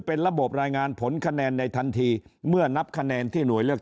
เป็นระบบรายงานผลคะแนนในทันทีเมื่อนับคะแนนที่หน่วยเลือก